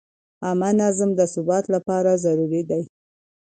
عامه نظم د ثبات لپاره ضروري دی.